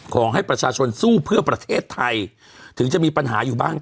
ขอให้ประชาชนสู้เพื่อประเทศไทยถึงจะมีปัญหาอยู่บ้าง